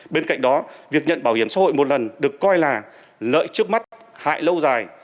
bên cạnh đó việc nhận bảo hiểm xã hội một lần được coi là lợi trước mắt hại lâu dài